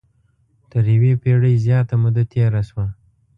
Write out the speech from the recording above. تر یوې پېړۍ زیاته موده تېره شوه.